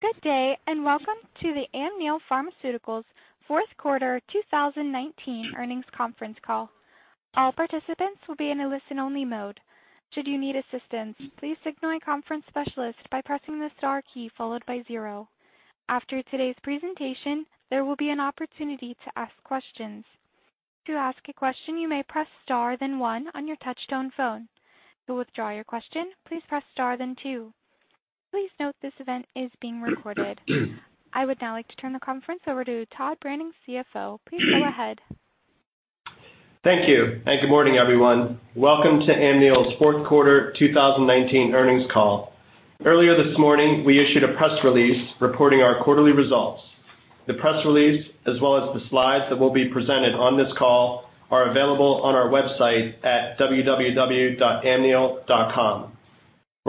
Good day. Welcome to the Amneal Pharmaceuticals fourth quarter 2019 earnings conference call. All participants will be in a listen-only mode. Should you need assistance, please signal a conference specialist by pressing the star key followed by zero. After today's presentation, there will be an opportunity to ask questions. To ask a question, you may press star then one on your touch-tone phone. To withdraw your question, please press star then two. Please note this event is being recorded. I would now like to turn the conference over to Todd Branning, CFO. Please go ahead. Thank you. Good morning, everyone. Welcome to Amneal's fourth quarter 2019 earnings call. Earlier this morning, we issued a press release reporting our quarterly results. The press release, as well as the slides that will be presented on this call, are available on our website at amneal.com.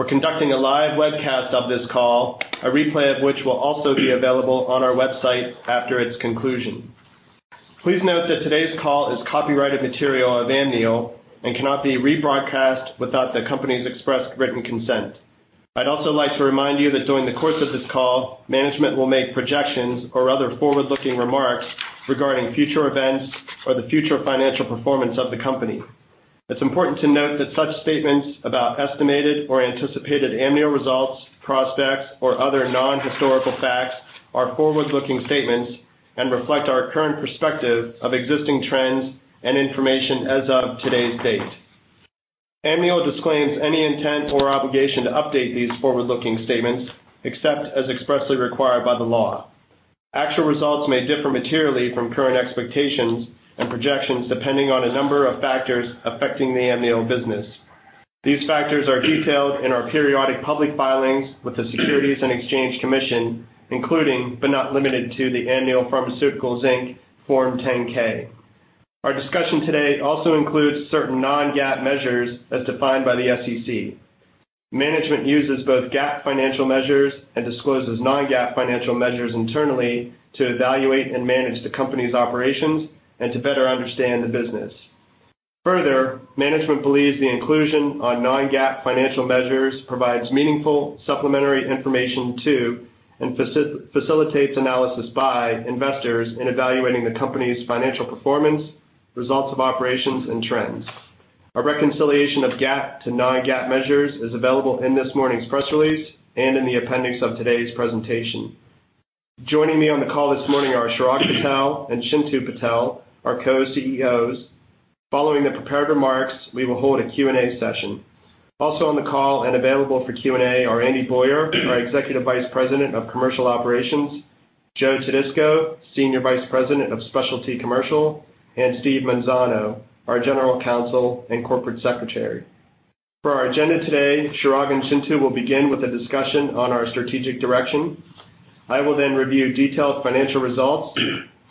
We're conducting a live webcast of this call, a replay of which will also be available on our website after its conclusion. Please note that today's call is copyrighted material of Amneal and cannot be rebroadcast without the company's expressed written consent. I'd also like to remind you that during the course of this call, management will make projections or other forward-looking remarks regarding future events or the future financial performance of the company. It's important to note that such statements about estimated or anticipated Amneal results, prospects, or other non-historical facts are forward-looking statements and reflect our current perspective of existing trends and information as of today's date. Amneal disclaims any intent or obligation to update these forward-looking statements, except as expressly required by the law. Actual results may differ materially from current expectations and projections depending on a number of factors affecting the Amneal business. These factors are detailed in our periodic public filings with the Securities and Exchange Commission, including, but not limited to, the Amneal Pharmaceuticals, Inc. Form 10-K. Our discussion today also includes certain non-GAAP measures as defined by the SEC. Management uses both GAAP financial measures and discloses non-GAAP financial measures internally to evaluate and manage the company's operations and to better understand the business. Further, management believes the inclusion of non-GAAP financial measures provides meaningful supplementary information to, and facilitates analysis by, investors in evaluating the company's financial performance, results of operations, and trends. A reconciliation of GAAP to non-GAAP measures is available in this morning's press release and in the appendix of today's presentation. Joining me on the call this morning are Chirag Patel and Chintu Patel, our Co-CEOs. Following the prepared remarks, we will hold a Q&A session. Also on the call and available for Q&A are Andy Boyer, our Executive Vice President of Commercial Operations, Joe Todisco, Senior Vice President of Specialty Commercial, and Steve Manzano, our General Counsel and Corporate Secretary. For our agenda today, Chirag and Chintu will begin with a discussion on our strategic direction. I will then review detailed financial results.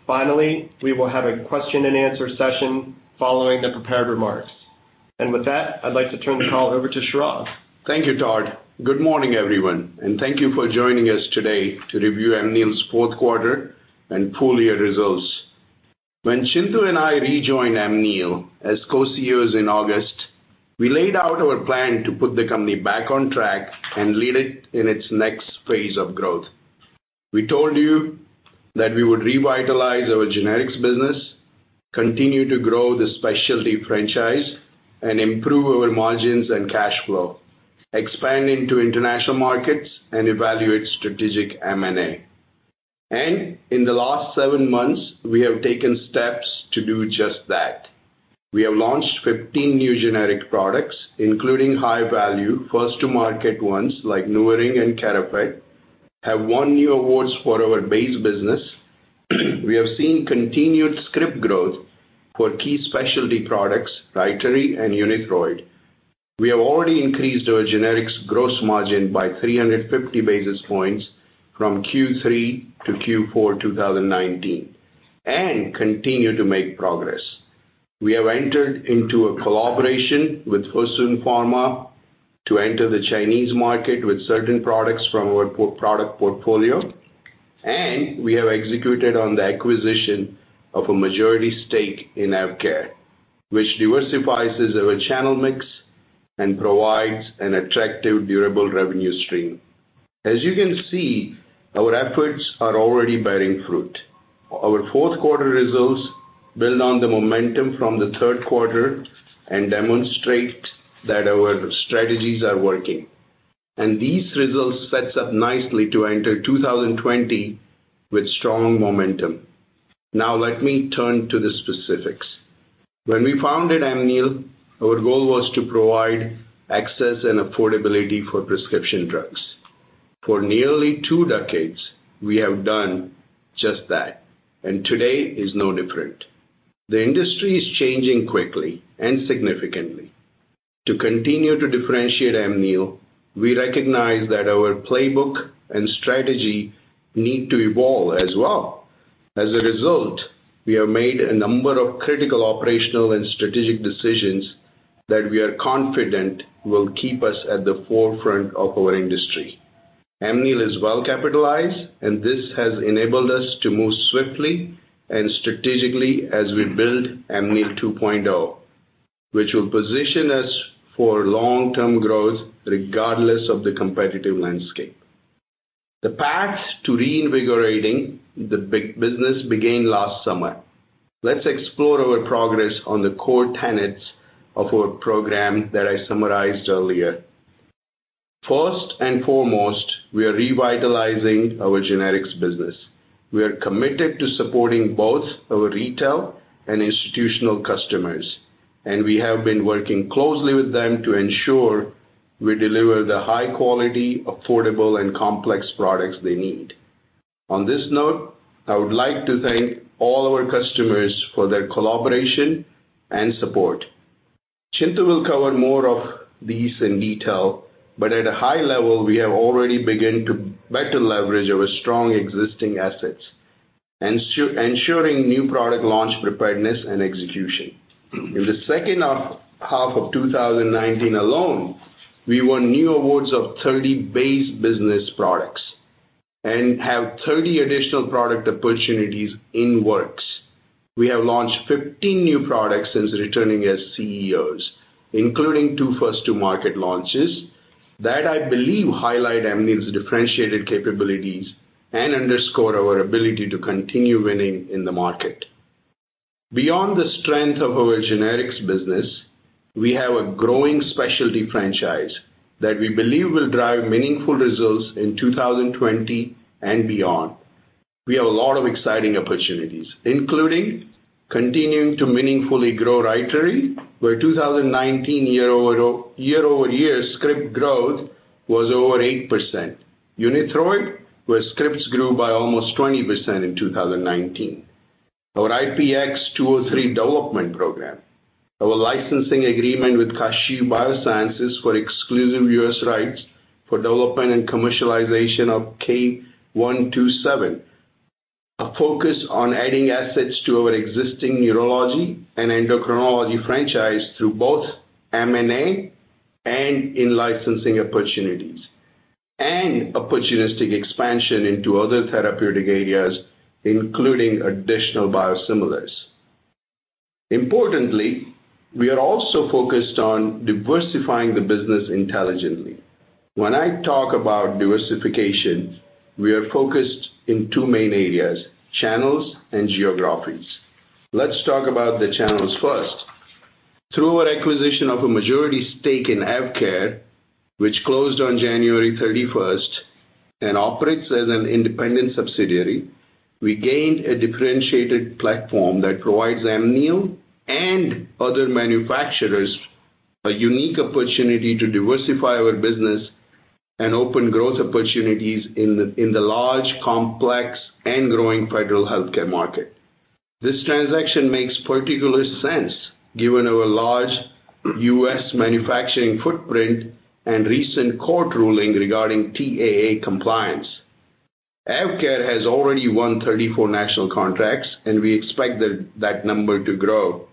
Finally, we will have a question and answer session following the prepared remarks. With that, I'd like to turn the call over to Chirag. Thank you, Todd. Good morning, everyone, and thank you for joining us today to review Amneal's fourth quarter and full year results. When Chintu and I rejoined Amneal as co-CEOs in August, we laid out our plan to put the company back on track and lead it in its next phase of growth. We told you that we would revitalize our generics business, continue to grow the specialty franchise, and improve our margins and cash flow, expand into international markets, and evaluate strategic M&A. In the last seven months, we have taken steps to do just that. We have launched 15 new generic products, including high-value first to market ones like NuvaRing and Carafate, have won new awards for our base business. We have seen continued script growth for key specialty products, RYTARY and UNITHROID. We have already increased our generics gross margin by 350 basis points from Q3 to Q4 2019 and continue to make progress. We have entered into a collaboration with Fosun Pharma to enter the Chinese market with certain products from our product portfolio, and we have executed on the acquisition of a majority stake in AvKARE, which diversifies our channel mix and provides an attractive, durable revenue stream. As you can see, our efforts are already bearing fruit. Our fourth quarter results build on the momentum from the third quarter and demonstrate that our strategies are working. These results sets up nicely to enter 2020 with strong momentum. Now let me turn to the specifics. When we founded Amneal, our goal was to provide access and affordability for prescription drugs. For nearly two decades, we have done just that, and today is no different. The industry is changing quickly and significantly. To continue to differentiate Amneal, we recognize that our playbook and strategy need to evolve as well. As a result, we have made a number of critical operational and strategic decisions that we are confident will keep us at the forefront of our industry. Amneal is well capitalized, and this has enabled us to move swiftly and strategically as we build Amneal 2.0, which will position us for long-term growth regardless of the competitive landscape. The path to reinvigorating the big business began last summer. Let's explore our progress on the core tenets of our program that I summarized earlier. First and foremost, we are revitalizing our generics business. We are committed to supporting both our retail and institutional customers, and we have been working closely with them to ensure we deliver the high-quality, affordable, and complex products they need. On this note, I would like to thank all our customers for their collaboration and support. Chintu will cover more of these in detail, but at a high level, we have already begun to better leverage our strong existing assets, ensuring new product launch preparedness and execution. In the second half of 2019 alone, we won new awards of 30 base business products and have 30 additional product opportunities in works. We have launched 15 new products since returning as CEOs, including two first-to-market launches that I believe highlight Amneal's differentiated capabilities and underscore our ability to continue winning in the market. Beyond the strength of our generics business, we have a growing specialty franchise that we believe will drive meaningful results in 2020 and beyond. We have a lot of exciting opportunities, including continuing to meaningfully grow RYTARY, where 2019 year-over-year script growth was over 8%. UNITHROID, where scripts grew by almost 20% in 2019. Our IPX-203 development program. Our licensing agreement with Kashiv BioSciences for exclusive U.S. rights for development and commercialization of K127. A focus on adding assets to our existing neurology and endocrinology franchise through both M&A and in licensing opportunities, and opportunistic expansion into other therapeutic areas, including additional biosimilars. Importantly, we are also focused on diversifying the business intelligently. When I talk about diversification, we are focused in two main areas, channels and geographies. Let's talk about the channels first. Through our acquisition of a majority stake in AvKARE, which closed on January 31st and operates as an independent subsidiary, we gained a differentiated platform that provides Amneal and other manufacturers a unique opportunity to diversify our business and open growth opportunities in the large, complex, and growing federal healthcare market. This transaction makes particular sense given our large U.S. manufacturing footprint and recent court ruling regarding TAA compliance. AvKARE has already won 34 national contracts. We expect that number to grow.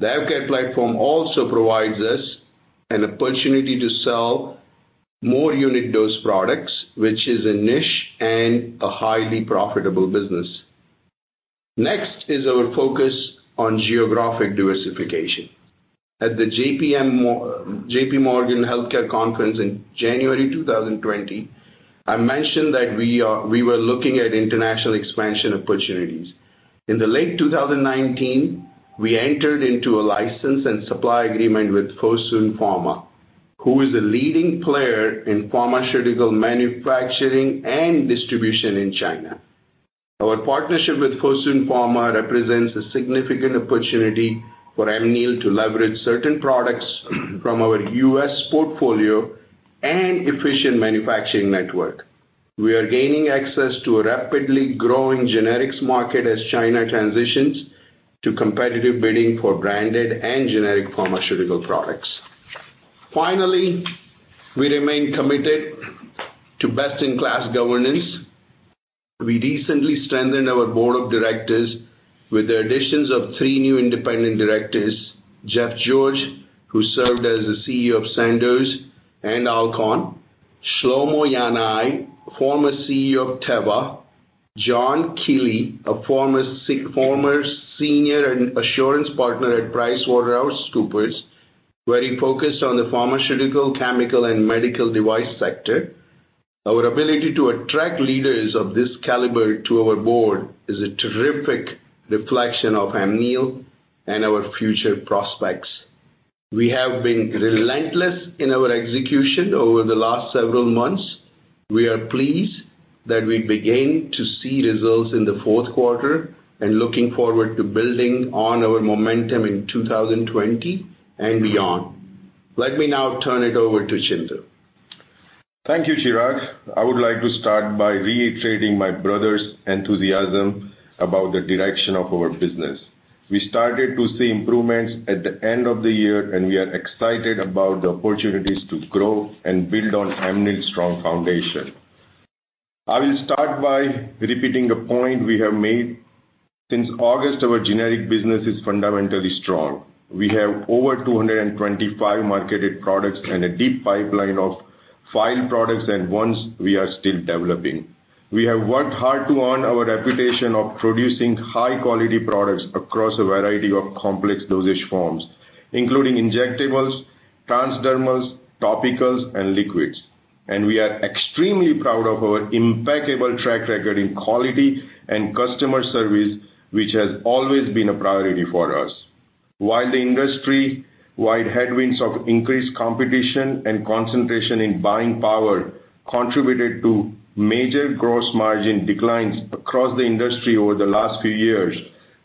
The AvKARE platform also provides us an opportunity to sell more unit dose products, which is a niche and a highly profitable business. Next is our focus on geographic diversification. At the JPMorgan Healthcare Conference in January 2020, I mentioned that we were looking at international expansion opportunities. In late 2019, we entered into a license and supply agreement with Fosun Pharma, who is a leading player in pharmaceutical manufacturing and distribution in China. Our partnership with Fosun Pharma represents a significant opportunity for Amneal to leverage certain products from our U.S. portfolio and efficient manufacturing network. We are gaining access to a rapidly growing generics market as China transitions to competitive bidding for branded and generic pharmaceutical products. Finally, we remain committed to best-in-class governance. We recently strengthened our board of directors with the additions of three new independent directors. Jeff George, who served as the CEO of Sandoz and Alcon, Shlomo Yanai, former CEO of Teva, John Keeley, a former senior assurance partner at PricewaterhouseCoopers, where he focused on the pharmaceutical, chemical, and medical device sector. Our ability to attract leaders of this caliber to our board is a terrific reflection of Amneal and our future prospects. We have been relentless in our execution over the last several months. We are pleased that we began to see results in the fourth quarter and looking forward to building on our momentum in 2020 and beyond. Let me now turn it over to Chintu. Thank you, Chirag. I would like to start by reiterating my brother's enthusiasm about the direction of our business. We started to see improvements at the end of the year, and we are excited about the opportunities to grow and build on Amneal's strong foundation. I will start by repeating a point we have made. Since August, our generic business is fundamentally strong. We have over 225 marketed products and a deep pipeline of products and ones we are still developing. We have worked hard to earn our reputation of producing high-quality products across a variety of complex dosage forms, including injectables, transdermals, topicals, and liquids. We are extremely proud of our impeccable track record in quality and customer service, which has always been a priority for us. While the industry-wide headwinds of increased competition and concentration in buying power contributed to major gross margin declines across the industry over the last few years,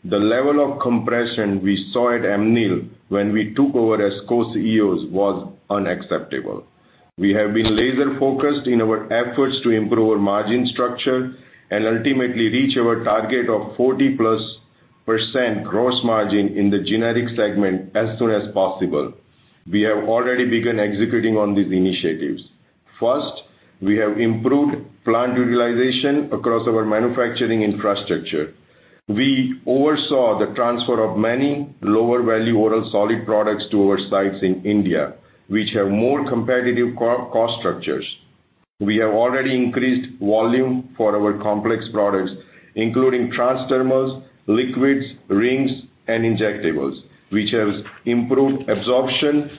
the level of compression we saw at Amneal when we took over as Co-CEOs was unacceptable. We have been laser-focused in our efforts to improve our margin structure and ultimately reach our target of 40-plus % gross margin in the generic segment as soon as possible. We have already begun executing on these initiatives. First, we have improved plant utilization across our manufacturing infrastructure. We oversaw the transfer of many lower value oral solid products to our sites in India, which have more competitive cost structures. We have already increased volume for our complex products, including transdermals, liquids, rings, and injectables, which has improved absorption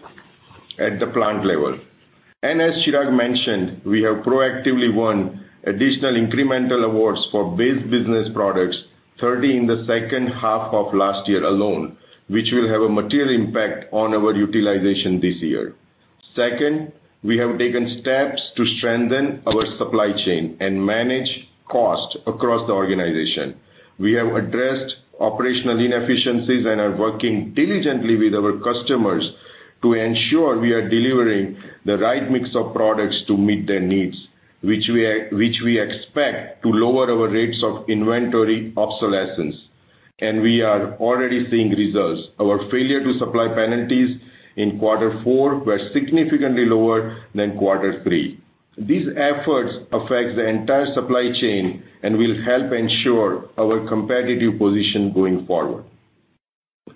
at the plant level. As Chirag mentioned, we have proactively won additional incremental awards for base business products, 30 in the second half of last year alone, which will have a material impact on our utilization this year. Second, we have taken steps to strengthen our supply chain and manage cost across the organization. We have addressed operational inefficiencies and are working diligently with our customers to ensure we are delivering the right mix of products to meet their needs, which we expect to lower our rates of inventory obsolescence, and we are already seeing results. Our failure to supply penalties in quarter four were significantly lower than quarter three. These efforts affect the entire supply chain and will help ensure our competitive position going forward.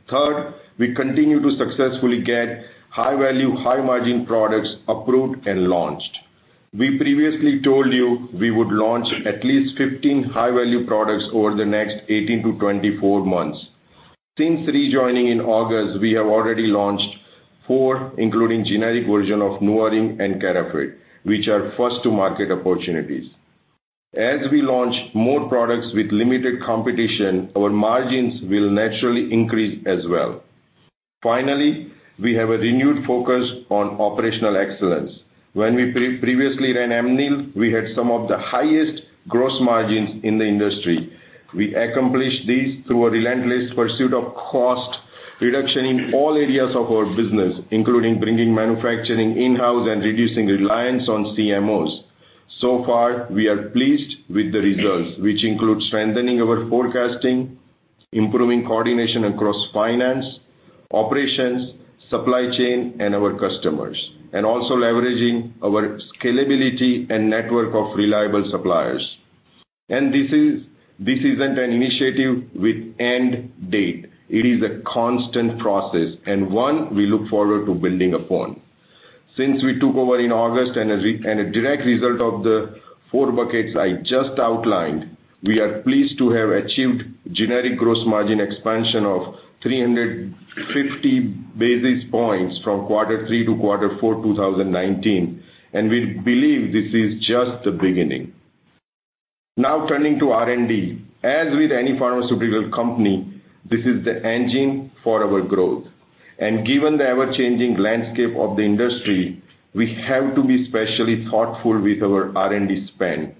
Third, we continue to successfully get high-value, high-margin products approved and launched. We previously told you we would launch at least 15 high-value products over the next 18-24 months. Since rejoining in August, we have already launched four, including generic version of NuvaRing and Carafate, which are first to market opportunities. As we launch more products with limited competition, our margins will naturally increase as well. We have a renewed focus on operational excellence. When we previously ran Amneal, we had some of the highest gross margins in the industry. We accomplished this through a relentless pursuit of cost reduction in all areas of our business, including bringing manufacturing in-house and reducing reliance on CMOs. We are pleased with the results, which include strengthening our forecasting, improving coordination across finance, operations, supply chain, and our customers, and also leveraging our scalability and network of reliable suppliers. This isn't an initiative with end date. It is a constant process and one we look forward to building upon. Since we took over in August, a direct result of the four buckets I just outlined, we are pleased to have achieved generic gross margin expansion of 350 basis points from quarter three to quarter four 2019. We believe this is just the beginning. Now turning to R&D. As with any pharmaceutical company, this is the engine for our growth. Given the ever-changing landscape of the industry, we have to be specially thoughtful with our R&D spend.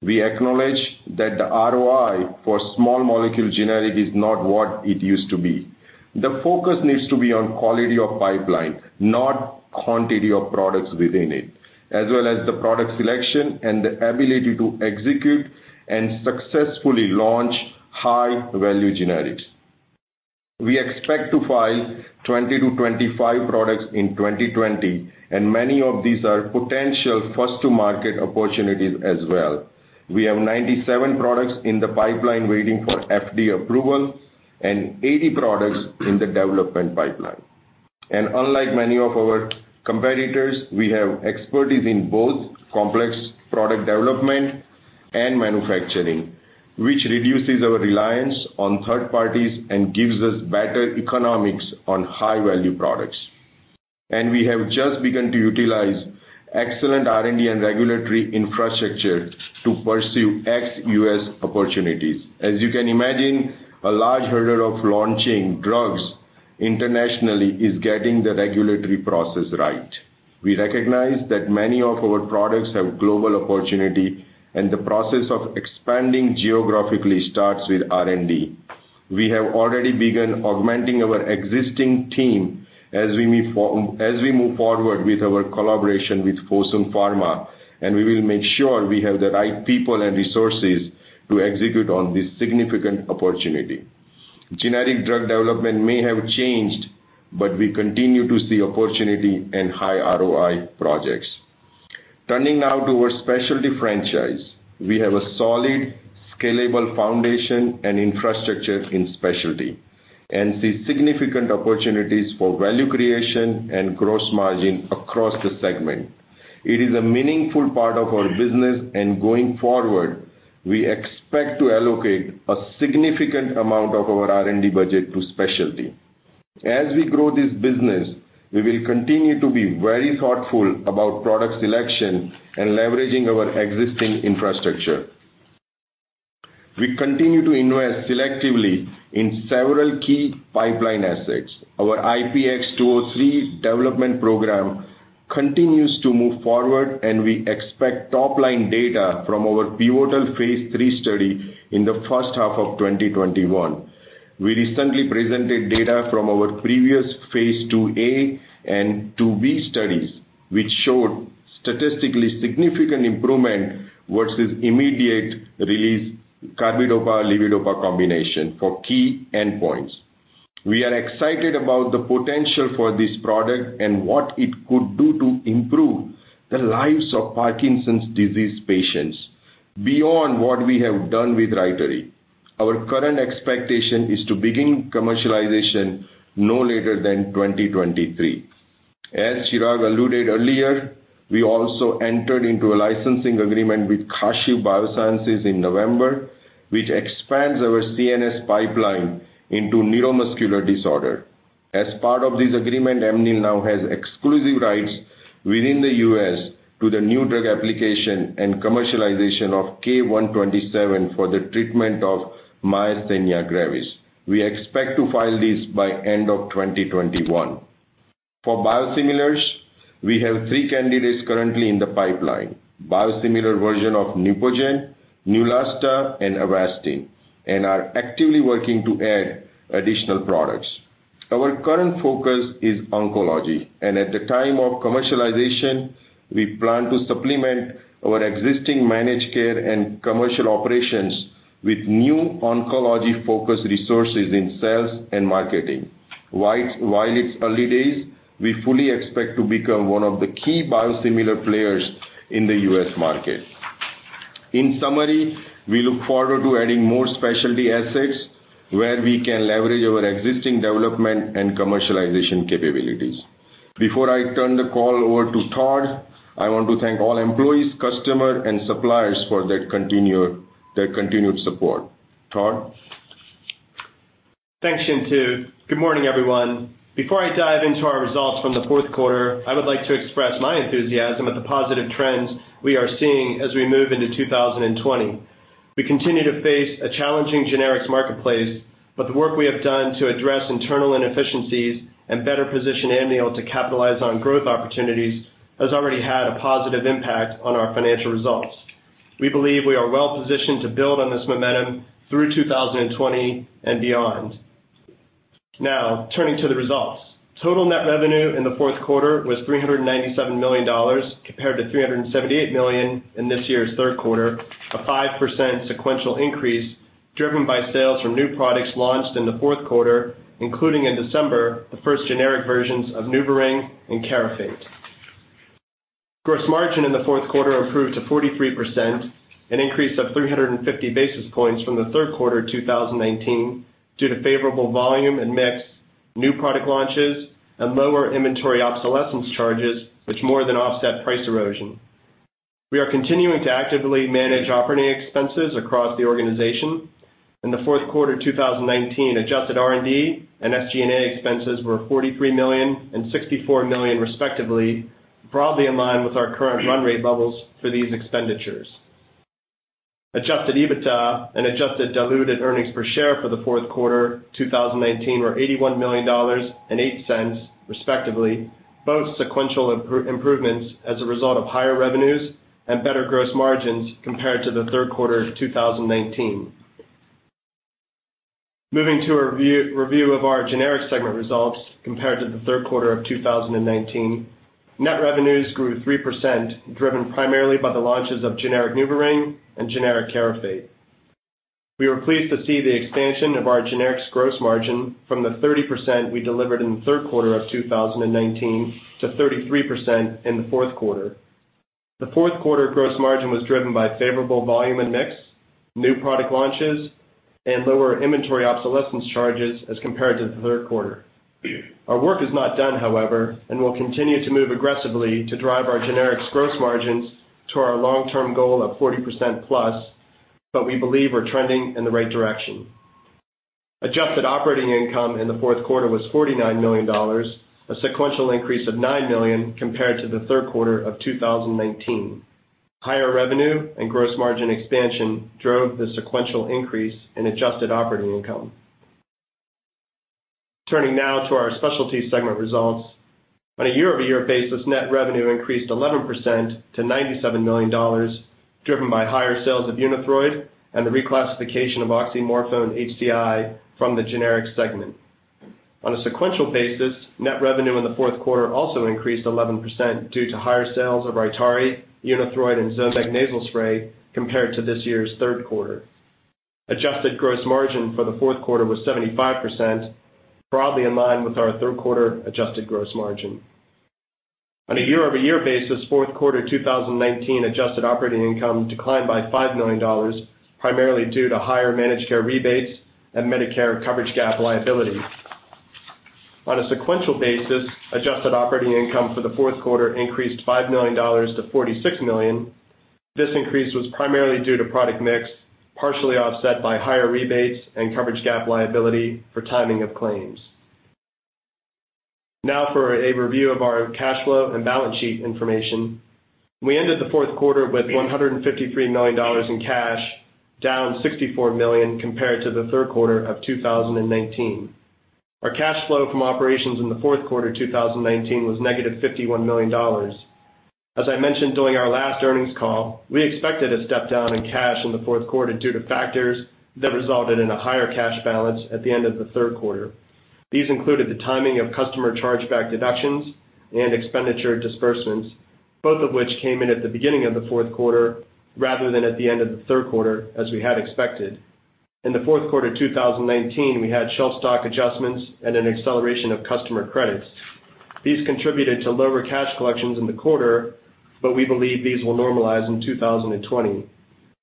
We acknowledge that the ROI for small molecule generic is not what it used to be. The focus needs to be on quality of pipeline, not quantity of products within it, as well as the product selection and the ability to execute and successfully launch high-value generics. We expect to file 20-25 products in 2020, and many of these are potential first-to-market opportunities as well. We have 97 products in the pipeline waiting for FDA approval and 80 products in the development pipeline. Unlike many of our competitors, we have expertise in both complex product development and manufacturing, which reduces our reliance on third parties and gives us better economics on high-value products. We have just begun to utilize excellent R&D and regulatory infrastructure to pursue ex-U.S. opportunities. As you can imagine, a large hurdle of launching drugs internationally is getting the regulatory process right. We recognize that many of our products have global opportunity, and the process of expanding geographically starts with R&D. We have already begun augmenting our existing team as we move forward with our collaboration with Fosun Pharma. We will make sure we have the right people and resources to execute on this significant opportunity. Generic drug development may have changed. We continue to see opportunity and high ROI projects. Turning now to our specialty franchise. We have a solid, scalable foundation and infrastructure in specialty and see significant opportunities for value creation and gross margin across the segment. It is a meaningful part of our business. Going forward, we expect to allocate a significant amount of our R&D budget to specialty. As we grow this business, we will continue to be very thoughtful about product selection and leveraging our existing infrastructure. We continue to invest selectively in several key pipeline assets. Our IPX-203 development program continues to move forward, and we expect top-line data from our pivotal phase III study in the first half of 2021. We recently presented data from our previous phase IIa and IIb studies, which showed statistically significant improvement versus immediate-release carbidopa/levodopa combination for key endpoints. We are excited about the potential for this product and what it could do to improve the lives of Parkinson's disease patients beyond what we have done with RYTARY. Our current expectation is to begin commercialization no later than 2023. As Chirag alluded earlier, we also entered into a licensing agreement with Kashiv BioSciences in November, which expands our CNS pipeline into neuromuscular disorder. As part of this agreement, Amneal now has exclusive rights within the U.S. to the new drug application and commercialization of K-127 for the treatment of myasthenia gravis. We expect to file this by end of 2021. For biosimilars, we have three candidates currently in the pipeline, biosimilar version of NEUPOGEN, Neulasta, and Avastin, and are actively working to add additional products. Our current focus is oncology, and at the time of commercialization, we plan to supplement our existing managed care and commercial operations with new oncology-focused resources in sales and marketing. While it's early days, we fully expect to become one of the key biosimilar players in the U.S. market. In summary, we look forward to adding more specialty assets where we can leverage our existing development and commercialization capabilities. Before I turn the call over to Todd, I want to thank all employees, customer, and suppliers for their continued support. Todd? Thanks, Chintu. Good morning, everyone. Before I dive into our results from the fourth quarter, I would like to express my enthusiasm at the positive trends we are seeing as we move into 2020. We continue to face a challenging generics marketplace. The work we have done to address internal inefficiencies and better position Amneal to capitalize on growth opportunities has already had a positive impact on our financial results. We believe we are well positioned to build on this momentum through 2020 and beyond. Now, turning to the results. Total net revenue in the fourth quarter was $397 million compared to $378 million in this year's third quarter, a 5% sequential increase driven by sales from new products launched in the fourth quarter, including in December, the first generic versions of NuvaRing and Carafate. Gross margin in the fourth quarter improved to 43%, an increase of 350 basis points from the third quarter 2019 due to favorable volume and mix, new product launches, and lower inventory obsolescence charges, which more than offset price erosion. We are continuing to actively manage operating expenses across the organization. In the fourth quarter 2019, adjusted R&D and SG&A expenses were $43 million and $64 million respectively, broadly in line with our current run rate levels for these expenditures. Adjusted EBITDA and adjusted diluted earnings per share for the fourth quarter 2019 were $81 million and $0.08 respectively, both sequential improvements as a result of higher revenues and better gross margins compared to the third quarter of 2019. Moving to a review of our generics segment results compared to the third quarter of 2019, net revenues grew 3%, driven primarily by the launches of generic NuvaRing and generic Carafate. We were pleased to see the expansion of our generics gross margin from the 30% we delivered in the third quarter of 2019 to 33% in the fourth quarter. The fourth quarter gross margin was driven by favorable volume and mix, new product launches, and lower inventory obsolescence charges as compared to the third quarter. Our work is not done, however, and we'll continue to move aggressively to drive our generics gross margins to our long-term goal of 40% plus, but we believe we're trending in the right direction. Adjusted operating income in the fourth quarter was $49 million, a sequential increase of $9 million compared to the third quarter of 2019. Higher revenue and gross margin expansion drove the sequential increase in adjusted operating income. Turning now to our specialty segment results. On a year-over-year basis, net revenue increased 11% to $97 million, driven by higher sales of UNITHROID and the reclassification of oxymorphone HCl from the generic segment. On a sequential basis, net revenue in the fourth quarter also increased 11% due to higher sales of RYTARY, UNITHROID, and ZOMIG Nasal Spray compared to this year's third quarter. Adjusted gross margin for the fourth quarter was 75%, broadly in line with our third quarter adjusted gross margin. On a year-over-year basis, fourth quarter 2019 adjusted operating income declined by $5 million, primarily due to higher managed care rebates and Medicare coverage gap liability. On a sequential basis, adjusted operating income for the fourth quarter increased $5 million to $46 million. This increase was primarily due to product mix, partially offset by higher rebates and coverage gap liability for timing of claims. Now for a review of our cash flow and balance sheet information. We ended the fourth quarter with $153 million in cash, down $64 million compared to the third quarter of 2019. Our cash flow from operations in the fourth quarter 2019 was negative $51 million. As I mentioned during our last earnings call, we expected a step down in cash in the fourth quarter due to factors that resulted in a higher cash balance at the end of the third quarter. These included the timing of customer chargeback deductions and expenditure disbursements, both of which came in at the beginning of the fourth quarter rather than at the end of the third quarter, as we had expected. In the fourth quarter 2019, we had shelf stock adjustments and an acceleration of customer credits. These contributed to lower cash collections in the quarter, but we believe these will normalize in 2020.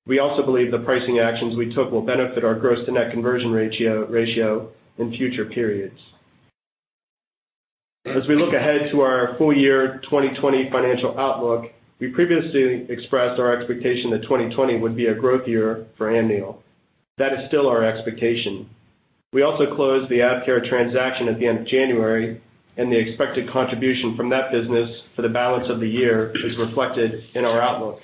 We also believe the pricing actions we took will benefit our gross to net conversion ratio in future periods. As we look ahead to our full year 2020 financial outlook, we previously expressed our expectation that 2020 would be a growth year for Amneal. That is still our expectation. We also closed the AvKARE transaction at the end of January, and the expected contribution from that business for the balance of the year is reflected in our outlook.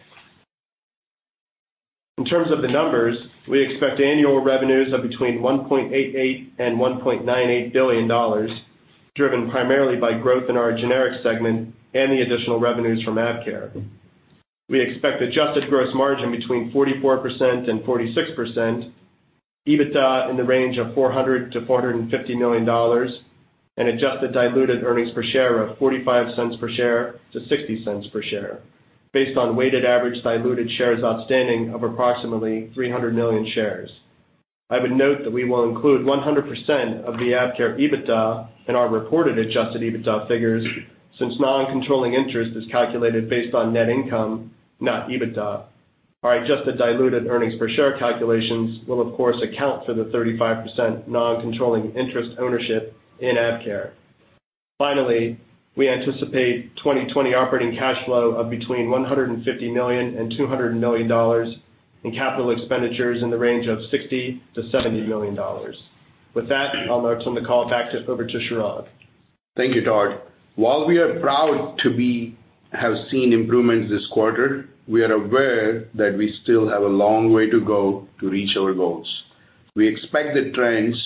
In terms of the numbers, we expect annual revenues of between $1.88 billion and $1.98 billion, driven primarily by growth in our generic segment and the additional revenues from AvKARE. We expect adjusted gross margin 44%-46%, EBITDA in the range of $400 million-$450 million, and adjusted diluted earnings per share of $0.45 per share-$0.60 per share based on weighted average diluted shares outstanding of approximately 300 million shares. I would note that we will include 100% of the AvKARE EBITDA in our reported Adjusted EBITDA figures, since non-controlling interest is calculated based on net income, not EBITDA. Our adjusted diluted earnings per share calculations will of course account for the 35% non-controlling interest ownership in AvKARE. Finally, we anticipate 2020 operating cash flow of between $150 million-$200 million in capital expenditures in the range of $60 million-$70 million. With that, I'll now turn the call back over to Chirag. Thank you, Todd. While we are proud to have seen improvements this quarter, we are aware that we still have a long way to go to reach our goals. We expect the trends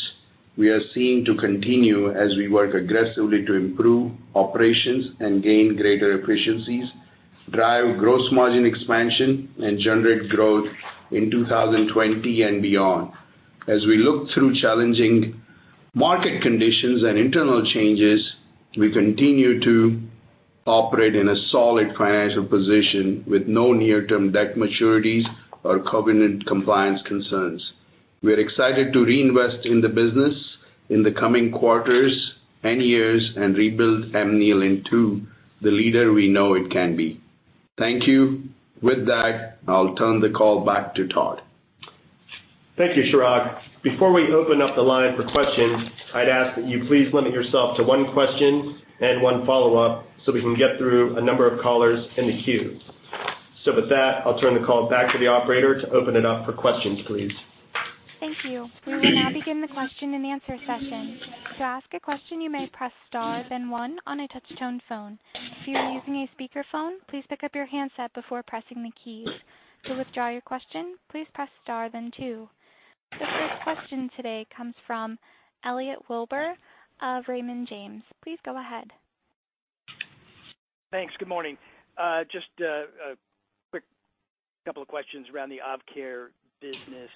we are seeing to continue as we work aggressively to improve operations and gain greater efficiencies, drive gross margin expansion, and generate growth in 2020 and beyond. As we look through challenging market conditions and internal changes, we continue to operate in a solid financial position with no near-term debt maturities or covenant compliance concerns. We're excited to reinvest in the business in the coming quarters and years and rebuild Amneal into the leader we know it can be. Thank you. With that, I'll turn the call back to Todd. Thank you, Chirag. Before we open up the line for questions, I'd ask that you please limit yourself to one question and one follow-up so we can get through a number of callers in the queue. With that, I'll turn the call back to the operator to open it up for questions, please. Thank you. We will now begin the question and answer session. To ask a question, you may press star, then one on a touch-tone phone. If you are using a speakerphone, please pick up your handset before pressing the keys. To withdraw your question, please press star then two. The first question today comes from Elliot Wilbur of Raymond James. Please go ahead. Thanks. Good morning. Just a quick couple of questions around the AvKARE business.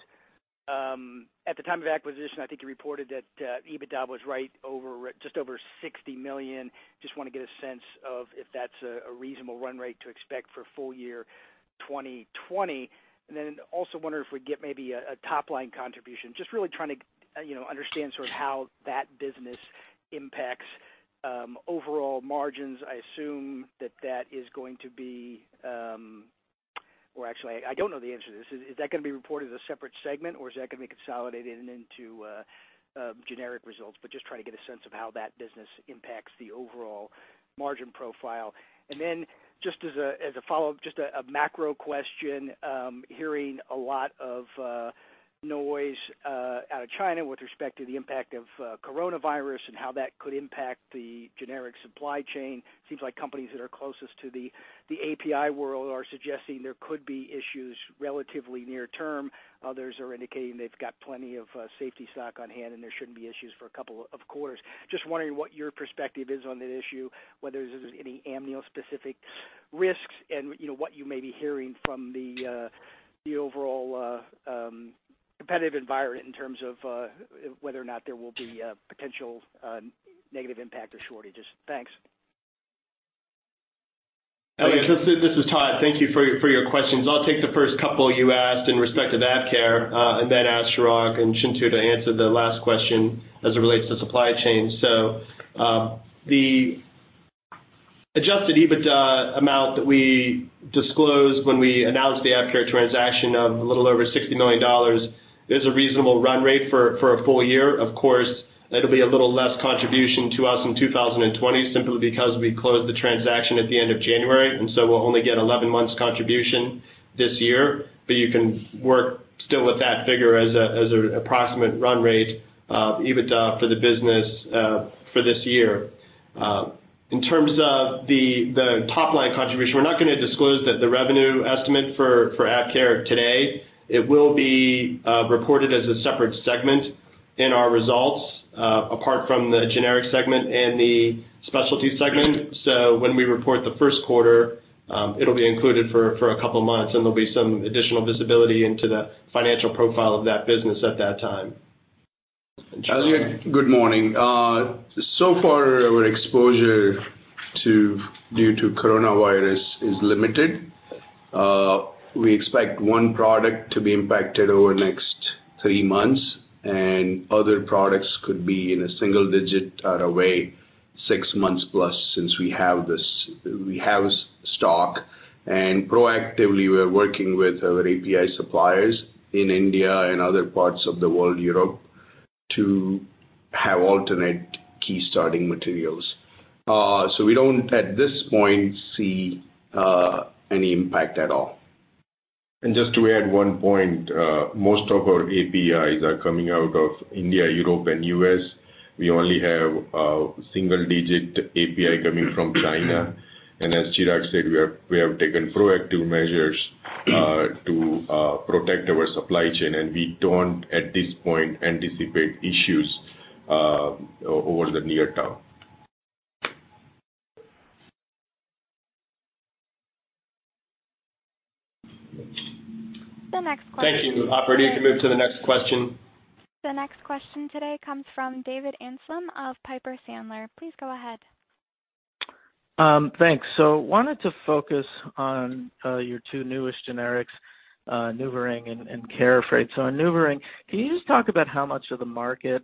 At the time of acquisition, I think you reported that EBITDA was just over $60 million. Just want to get a sense of if that's a reasonable run rate to expect for full year 2020. Also wonder if we'd get maybe a top-line contribution, just really trying to understand sort of how that business impacts overall margins. I assume that is going to be, or actually, I don't know the answer to this. Is that going to be reported as a separate segment or is that going to be consolidated into generic results? Just trying to get a sense of how that business impacts the overall margin profile. Just as a follow-up, just a macro question, hearing a lot of noise out of China with respect to the impact of coronavirus and how that could impact the generic supply chain. Seems like companies that are closest to the API world are suggesting there could be issues relatively near term. Others are indicating they've got plenty of safety stock on hand, and there shouldn't be issues for a couple of quarters. Just wondering what your perspective is on that issue, whether there's any Amneal specific risks and what you may be hearing from the overall competitive environment in terms of whether or not there will be a potential negative impact or shortages. Thanks. Elliot, this is Todd. Thank you for your questions. I'll take the first couple you asked in respect to AvKARE, and then ask Chirag and Chintu to answer the last question as it relates to supply chain. The Adjusted EBITDA amount that we disclosed when we announced the AvKARE transaction of a little over $60 million is a reasonable run rate for a full year. Of course, it'll be a little less contribution to us in 2020, simply because we closed the transaction at the end of January. We'll only get 11 months contribution this year. You can work still with that figure as an approximate run rate of EBITDA for the business for this year. In terms of the top-line contribution, we're not going to disclose the revenue estimate for AvKARE today. It will be reported as a separate segment in our results, apart from the Generic Segment and the Specialty Segment. When we report the first quarter, it'll be included for a couple of months, and there'll be some additional visibility into the financial profile of that business at that time. Elliot, good morning. So far, our exposure due to coronavirus is limited. We expect one product to be impacted over the next three months, and other products could be in a single digit way, six months plus, since we have stock. Proactively, we're working with our API suppliers in India and other parts of the world, Europe, to have alternate key starting materials. We don't, at this point, see any impact at all. Just to add one point, most of our APIs are coming out of India, Europe, and U.S. We only have a single-digit API coming from China. As Chirag said, we have taken proactive measures to protect our supply chain, and we don't, at this point, anticipate issues over the near term. The next question. Thank you, Operator. You can move to the next question. The next question today comes from David Amsellem of Piper Sandler. Please go ahead. Thanks. Wanted to focus on your two newest generics, NuvaRing and Carafate. On NuvaRing, can you just talk about how much of the market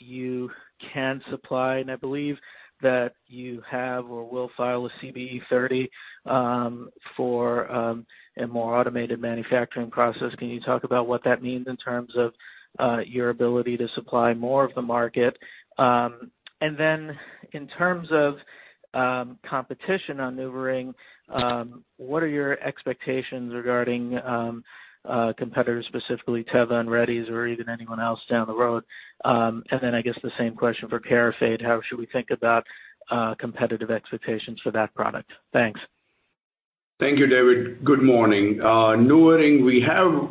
you can supply? I believe that you have or will file a CBE 30 for a more automated manufacturing process. Can you talk about what that means in terms of your ability to supply more of the market? In terms of competition on NuvaRing, what are your expectations regarding competitors, specifically Teva and Reddy's or even anyone else down the road? I guess the same question for Carafate, how should we think about competitive expectations for that product? Thanks. Thank you, David. Good morning. NuvaRing, we have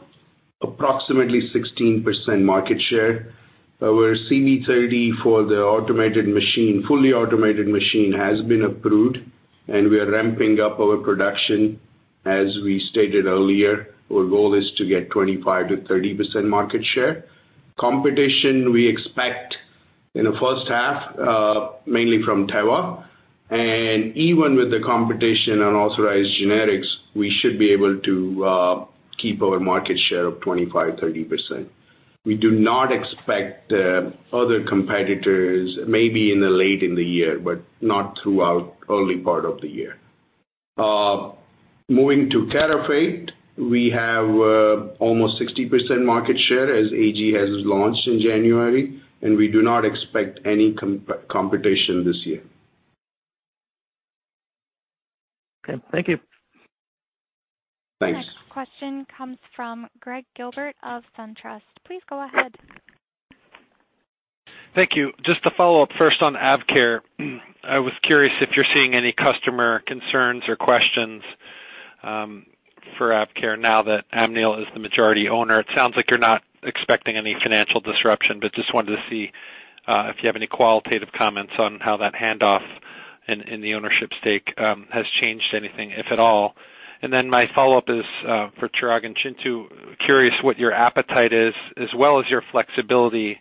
approximately 16% market share. Our CBE 30 for the fully automated machine has been approved, and we are ramping up our production. As we stated earlier, our goal is to get 25%-30% market share. Competition we expect in the first half mainly from Teva. Even with the competition on authorized generics, we should be able to keep our market share of 25%, 30%. We do not expect other competitors, maybe late in the year, but not throughout early part of the year. Moving to Carafate, we have almost 60% market share as AG has launched in January, and we do not expect any competition this year. Okay. Thank you. Thanks. Next question comes from Greg Gilbert of SunTrust. Please go ahead. Thank you. Just to follow up first on AvKARE, I was curious if you're seeing any customer concerns or questions for AvKARE now that Amneal is the majority owner. It sounds like you're not expecting any financial disruption, but just wanted to see if you have any qualitative comments on how that handoff in the ownership stake has changed anything, if at all. Then my follow-up is for Chirag and Chintu, curious what your appetite is, as well as your flexibility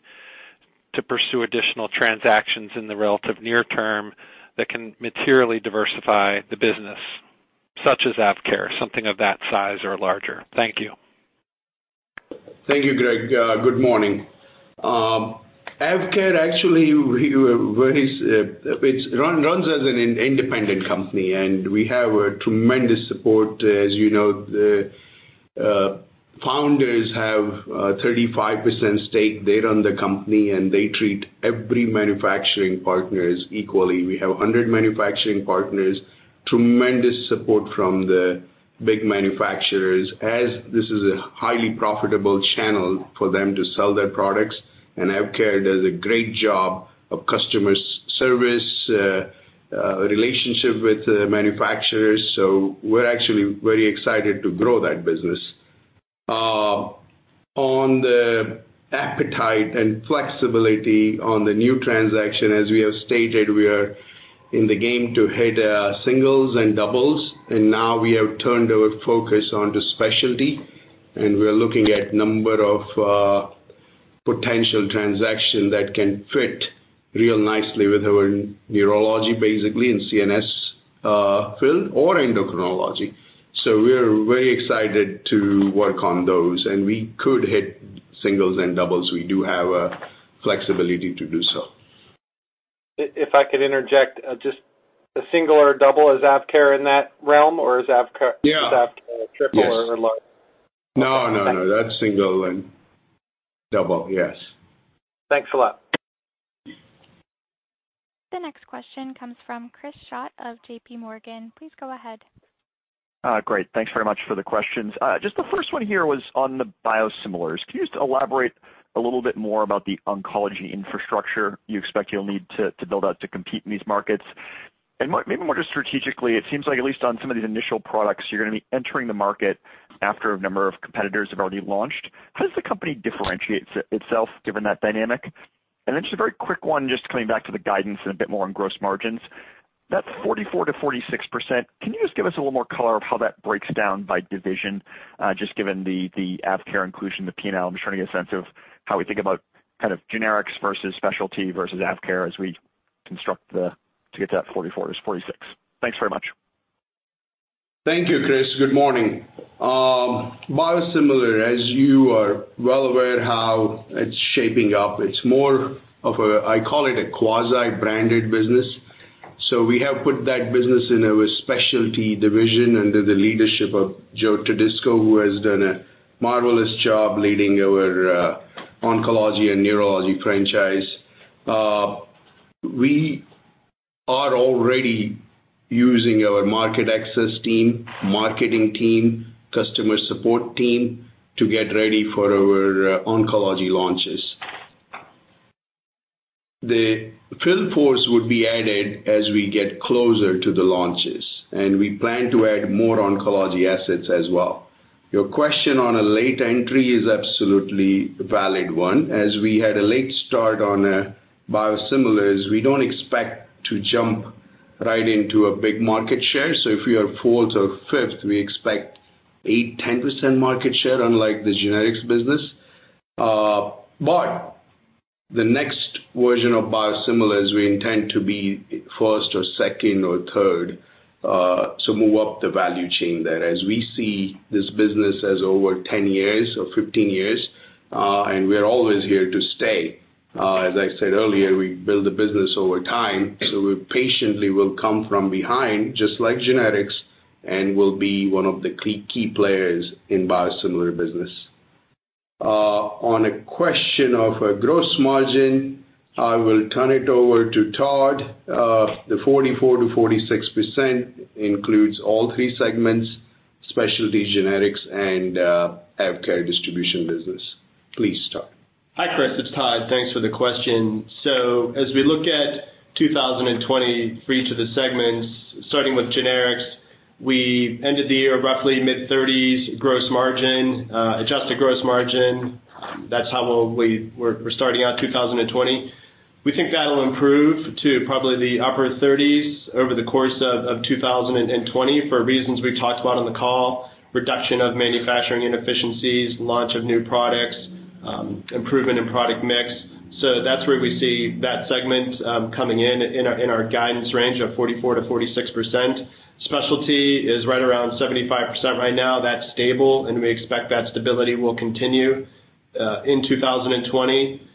to pursue additional transactions in the relative near term that can materially diversify the business, such as AvKARE, something of that size or larger. Thank you. Thank you, Greg. Good morning. AvKARE actually runs as an independent company. We have tremendous support. As you know, the founders have a 35% stake. They run the company. They treat every manufacturing partner equally. We have 100 manufacturing partners, tremendous support from the big manufacturers, as this is a highly profitable channel for them to sell their products, and AvKARE does a great job of customer service, relationship with manufacturers. We're actually very excited to grow that business. On the appetite and flexibility on the new transaction, as we have stated, we are in the game to hit singles and doubles, and now we have turned our focus onto specialty, and we're looking at number of potential transaction that can fit really nicely with our neurology, basically, and CNS field or endocrinology. We are very excited to work on those, and we could hit singles and doubles. We do have flexibility to do so. If I could interject, just a single or a double, is AvKARE in that realm, or is AvKARE? Yeah a triple or large? No. That's single and double. Yes. Thanks a lot. The next question comes from Chris Schott of JPMorgan. Please go ahead. Great. Thanks very much for the questions. Just the first one here was on the biosimilars. Can you just elaborate a little bit more about the oncology infrastructure you expect you'll need to build out to compete in these markets? Maybe more just strategically, it seems like at least on some of these initial products, you're going to be entering the market after a number of competitors have already launched. How does the company differentiate itself given that dynamic? Just a very quick one, just coming back to the guidance and a bit more on gross margins, that 44%-46%, can you just give us a little more color of how that breaks down by division, just given the AvKARE inclusion, the P&L, I'm just trying to get a sense of how we think about kind of generics versus specialty versus AvKARE as we construct to get to that 44%-46%. Thanks very much. Thank you, Chris. Good morning. Biosimilar, as you are well aware how it's shaping up, it's more of a, I call it a quasi-branded business. We have put that business in our specialty division under the leadership of Joseph Todisco, who has done a marvelous job leading our oncology and neurology franchise. We are already using our market access team, marketing team, customer support team to get ready for our oncology launches. The field force would be added as we get closer to the launches, and we plan to add more oncology assets as well. Your question on a late entry is absolutely a valid one. We had a late start on biosimilars, we don't expect to jump right into a big market share. If we are fourth or fifth, we expect eight, 10% market share, unlike the generics business. The next version of biosimilars, we intend to be first or second or third, so move up the value chain there. As we see this business as over 10 years or 15 years, and we're always here to stay. As I said earlier, we build the business over time, so we patiently will come from behind, just like generics, and we'll be one of the key players in biosimilar business. On a question of gross margin, I will turn it over to Todd. The 44%-46% includes all three segments, specialty, generics, and AvKARE distribution business. Please, Todd. Hi, Chris. It's Todd. Thanks for the question. As we look at 2020 for each of the segments, starting with generics, we ended the year roughly mid-30s gross margin, adjusted gross margin. That's how we're starting out 2020. We think that'll improve to probably the upper 30s over the course of 2020, for reasons we talked about on the call, reduction of manufacturing inefficiencies, launch of new products, improvement in product mix. That's where we see that segment coming in our guidance range of 44%-46%. Specialty is right around 75% right now. That's stable, and we expect that stability will continue in 2020.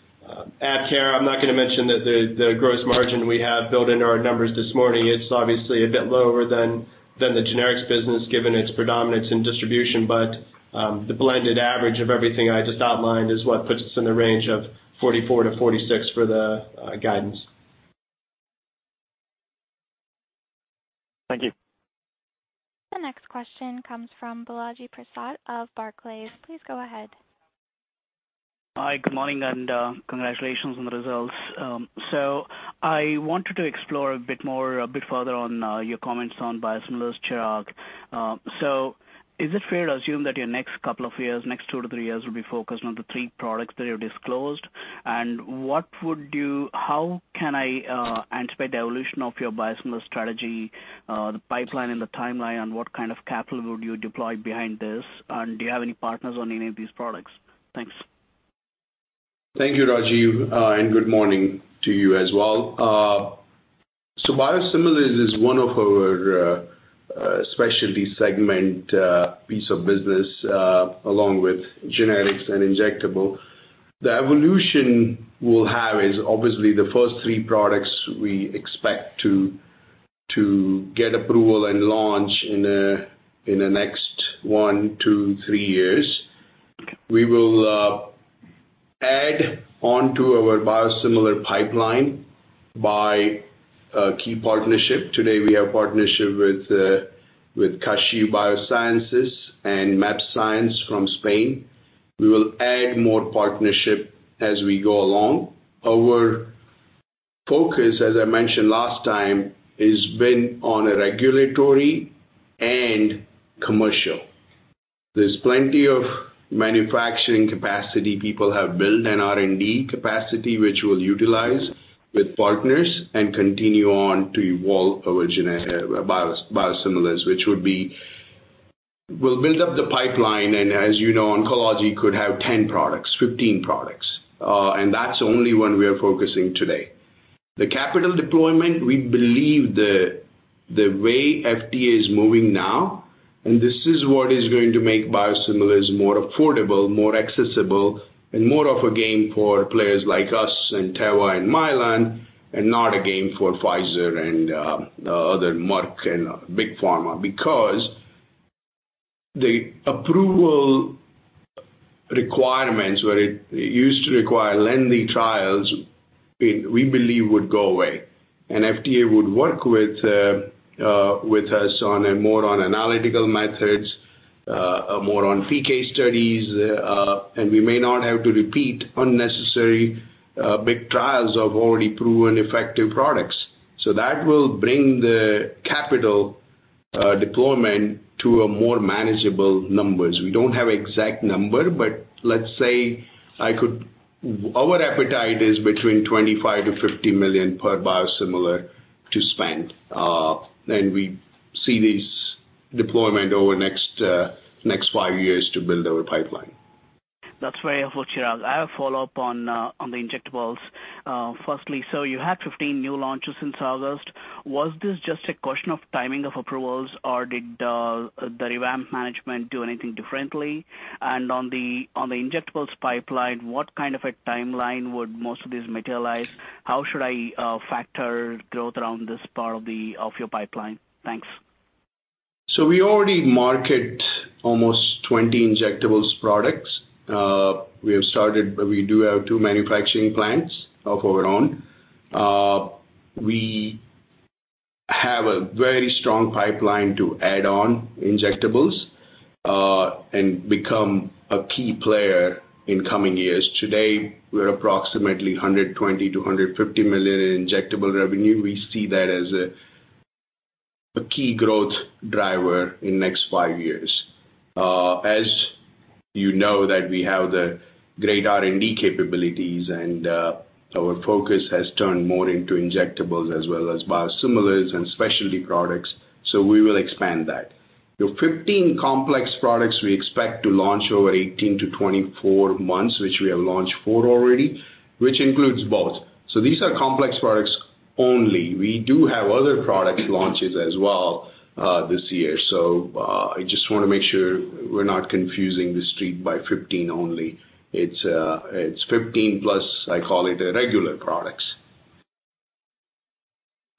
AvKARE, I'm not going to mention the gross margin we have built into our numbers this morning. It's obviously a bit lower than the generics business, given its predominance in distribution, but the blended average of everything I just outlined is what puts us in the range of 44-46 for the guidance. Thank you. The next question comes from Balaji Prasad of Barclays. Please go ahead. Hi, good morning, and congratulations on the results. I wanted to explore a bit more, a bit further on your comments on biosimilars, Chirag. Is it fair to assume that your next couple of years, next 2-3 years, will be focused on the 3 products that you've disclosed? How can I anticipate the evolution of your biosimilars strategy, the pipeline and the timeline, and what kind of capital would you deploy behind this? Do you have any partners on any of these products? Thanks. Thank you, Balaji, and good morning to you as well. Biosimilars is one of our specialty segment piece of business, along with generics and injectable. The evolution we'll have is obviously the first three products we expect to get approval and launch in the next one to three years. We will add onto our biosimilar pipeline by key partnership. Today, we have partnership with Kashiv BioSciences and mAbxience from Spain. We will add more partnership as we go along. Our focus, as I mentioned last time, has been on regulatory and commercial. There's plenty of manufacturing capacity people have built and R&D capacity, which we'll utilize with partners and continue on to evolve our biosimilars. We'll build up the pipeline, and as you know, oncology could have 10 products, 15 products. That's only one we are focusing today. The capital deployment, we believe the way FDA is moving now, and this is what is going to make biosimilars more affordable, more accessible, and more of a game for players like us and Teva and Mylan, not a game for Pfizer and other, Merck and big pharma. The approval requirements, where it used to require lengthy trials, we believe would go away. FDA would work with us more on analytical methods, more on PK studies, and we may not have to repeat unnecessary big trials of already proven effective products. That will bring the capital deployment to a more manageable numbers. We don't have exact number, but let's say our appetite is between $25 million-$50 million per biosimilar to spend. We see this deployment over next five years to build our pipeline. That's very helpful, Chirag. I have a follow-up on the injectables. Firstly, you had 15 new launches since August. Was this just a question of timing of approvals or did the revamped management do anything differently? On the injectables pipeline, what kind of a timeline would most of these materialize? How should I factor growth around this part of your pipeline? Thanks. We already market almost 20 injectables products. We do have two manufacturing plants of our own. We have a very strong pipeline to add on injectables, and become a key player in coming years. Today, we're approximately $120 million-$150 million in injectable revenue. We see that as a key growth driver in next five years. As you know that we have the great R&D capabilities and our focus has turned more into injectables as well as biosimilars and specialty products. We will expand that. The 15 complex products we expect to launch over 18-24 months, which we have launched four already, which includes both. These are complex products only. We do have other product launches as well, this year. I just want to make sure we're not confusing the Street by 15 only. It's 15 plus, I call it, the regular products.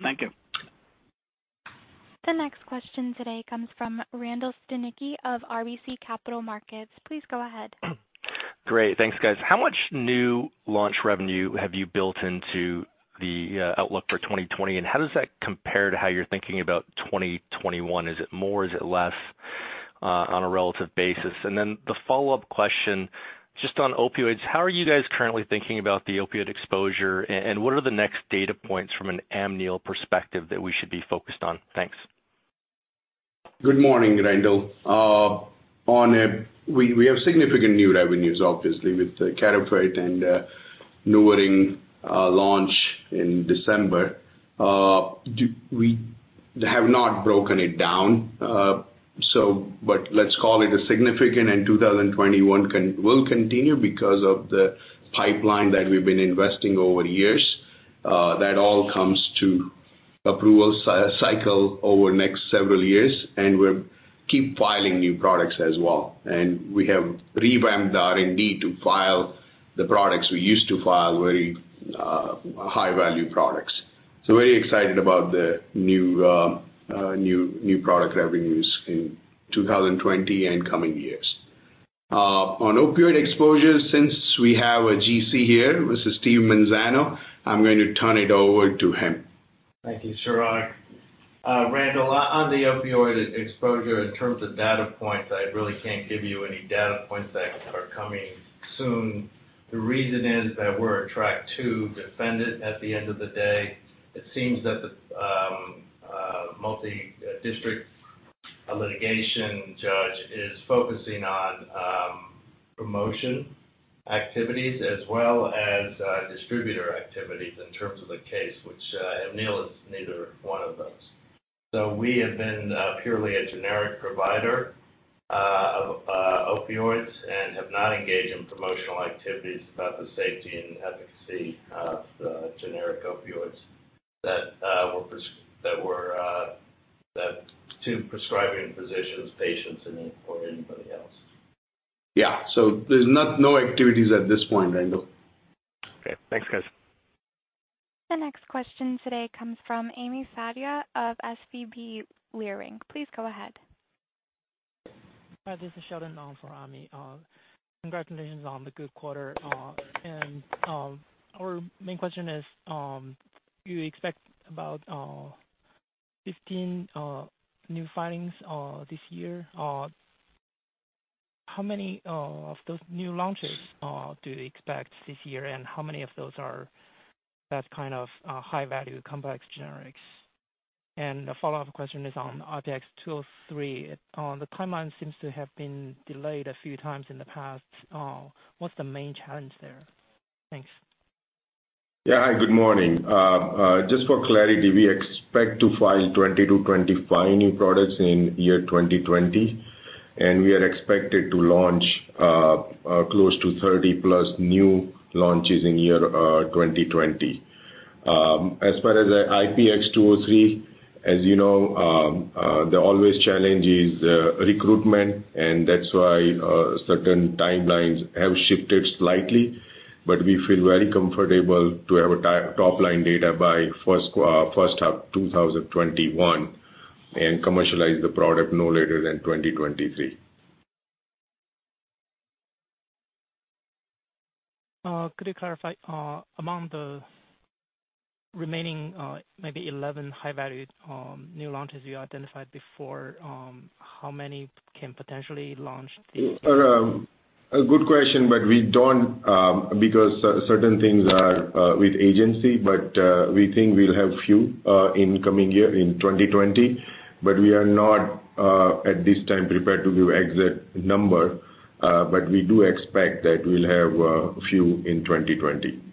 Thank you. The next question today comes from Randall Stanicky of RBC Capital Markets. Please go ahead. Great. Thanks, guys. How much new launch revenue have you built into the outlook for 2020, and how does that compare to how you're thinking about 2021? Is it more, is it less on a relative basis? The follow-up question, just on opioids, how are you guys currently thinking about the opioid exposure and what are the next data points from an Amneal perspective that we should be focused on? Thanks. Good morning, Randall. We have significant new revenues, obviously, with the Carafate and NuvaRing launch in December. Let's call it a significant, and 2021 will continue because of the pipeline that we've been investing over years.. That all comes to approval cycle over next several years, and we'll keep filing new products as well. We have revamped the R&D to file the products we used to file, very high-value products. Very excited about the new product revenues in 2020 and coming years. On opioid exposure, since we have a GC here, this is Stephen Manzano, I'm going to turn it over to him. Thank you, Chirag. Randall, on the opioid exposure, in terms of data points, I really can't give you any data points that are coming soon. The reason is that we're a track two defendant at the end of the day. It seems that the multi-district litigation judge is focusing on promotion activities as well as distributor activities in terms of the case, which Amneal is neither one of those. We have been purely a generic provider of opioids and have not engaged in promotional activities about the safety and efficacy of the generic opioids to prescribing physicians, patients, or anybody else. Yeah. There's no activities at this point, Randall. Okay. Thanks, guys. The next question today comes from Ami Fadia of SVB Leerink. Please go ahead. Hi, this is Sheldon on for Ami. Congratulations on the good quarter. Our main question is, you expect about 15 new filings this year. How many of those new launches do you expect this year, and how many of those are that kind of high value complex generics? The follow-up question is on IPX-203. The timeline seems to have been delayed a few times in the past. What's the main challenge there? Thanks. Yeah. Hi, good morning. Just for clarity, we expect to file 20-25 new products in 2020, and we are expected to launch close to 30+ new launches in 2020. As far as IPX203, as you know, the always challenge is recruitment, and that's why certain timelines have shifted slightly. We feel very comfortable to have top line data by first half 2021 and commercialize the product no later than 2023. Could you clarify, among the remaining maybe 11 high valued new launches you identified before, how many can potentially launch this year? A good question, but we don't, because certain things are with agency, but we think we'll have few in coming year, in 2020. We are not, at this time, prepared to give exact number. We do expect that we'll have a few in 2020.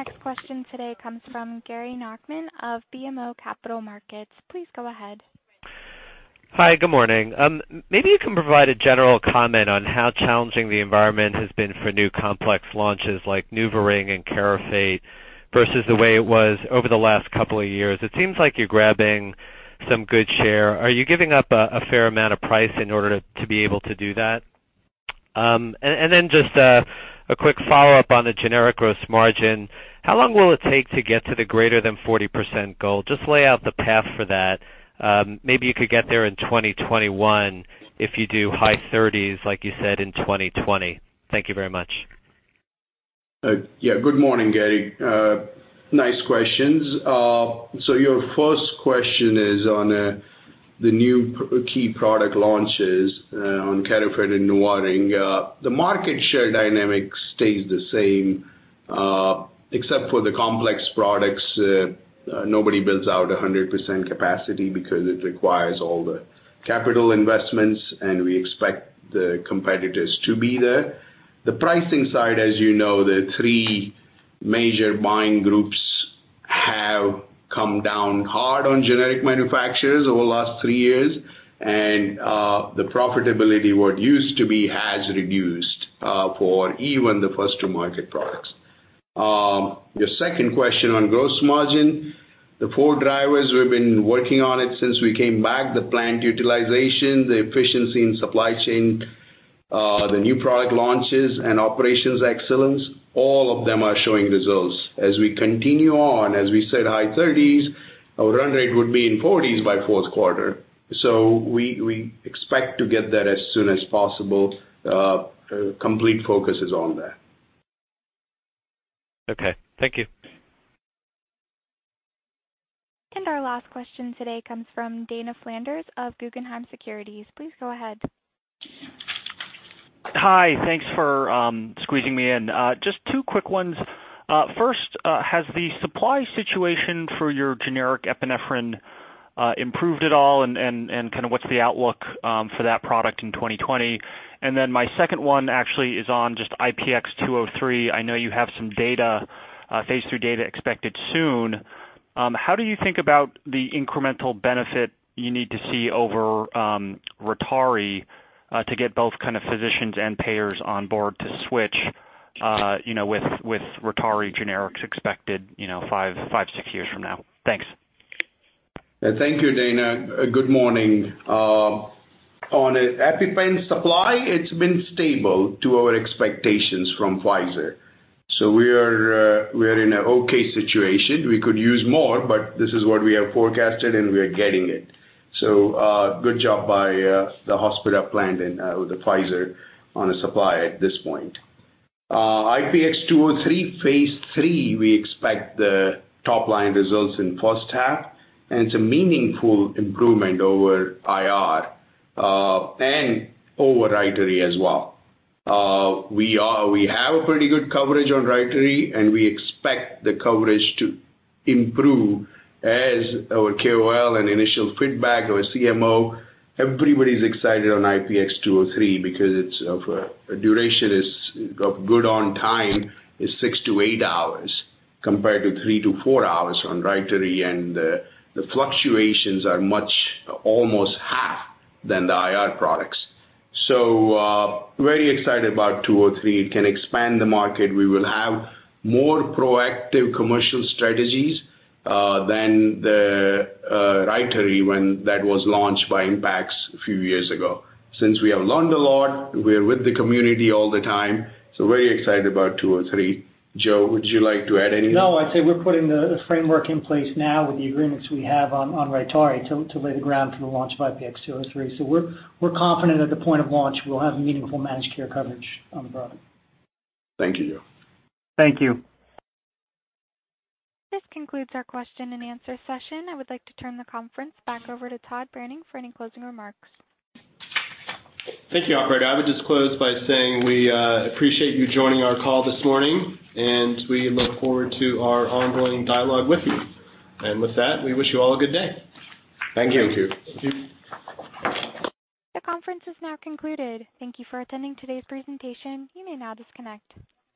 The next question today comes from Gary Nachman of BMO Capital Markets. Please go ahead. Hi. Good morning. Maybe you can provide a general comment on how challenging the environment has been for new complex launches like NuvaRing and Carafate versus the way it was over the last couple of years. It seems like you're grabbing some good share. Are you giving up a fair amount of price in order to be able to do that? Then just a quick follow-up on the generic gross margin. How long will it take to get to the greater than 40% goal? Just lay out the path for that. Maybe you could get there in 2021 if you do high 30s, like you said, in 2020. Thank you very much. Good morning, Gary. Nice questions. Your first question is on the new key product launches on Carafate and NuvaRing. The market share dynamic stays the same. Except for the complex products, nobody builds out 100% capacity because it requires all the capital investments, and we expect the competitors to be there. The pricing side, as you know, the three major buying groups have come down hard on generic manufacturers over the last three years, and the profitability, what used to be, has reduced for even the first to market products. Your second question on gross margin, the four drivers we've been working on it since we came back, the plant utilization, the efficiency in supply chain, the new product launches, and operations excellence, all of them are showing results. As we continue on, as we said, high 30s, our run rate would be in 40s by fourth quarter. We expect to get there as soon as possible. Complete focus is on that. Okay. Thank you. Our last question today comes from Dana Flanders of Guggenheim Securities. Please go ahead. Hi. Thanks for squeezing me in. Just two quick ones. First, has the supply situation for your generic epinephrine improved at all, kind of what's the outlook for that product in 2020? My second one actually is on just IPX203. I know you have some phase III data expected soon. How do you think about the incremental benefit you need to see over RYTARY to get both kind of physicians and payers on board to switch with RYTARY generics expected five, six years from now? Thanks. Thank you, Dana. Good morning. On EPIPEN supply, it's been stable to our expectations from Pfizer. We are in an okay situation. We could use more, but this is what we have forecasted, and we are getting it. Good job by the Hospira plant with Pfizer on the supply at this point. IPX-203 phase III, we expect the top line results in first half, and it's a meaningful improvement over IR and over RYTARY as well. We have a pretty good coverage on RYTARY, and we expect the coverage to improve as our KOL and initial feedback, our CMO, everybody's excited on IPX-203 because its duration is good on time, is 6-8 hours, compared to 3-4 hours on RYTARY, and the fluctuations are much, almost half, than the IR products. Very excited about 203. It can expand the market. We will have more proactive commercial strategies than RYTARY when that was launched by Impax a few years ago. We have learned a lot. We're with the community all the time. Very excited about 203. Joe, would you like to add anything? No, I'd say we're putting the framework in place now with the agreements we have on RYTARY to lay the ground for the launch of IPX203. We're confident at the point of launch we'll have meaningful managed care coverage on the product. Thank you, Joe. Thank you. This concludes our question and answer session. I would like to turn the conference back over to Todd Branning for any closing remarks. Thank you, operator. I would just close by saying we appreciate you joining our call this morning, and we look forward to our ongoing dialogue with you. With that, we wish you all a good day. Thank you. Thank you. Thank you. The conference is now concluded. Thank you for attending today's presentation. You may now disconnect.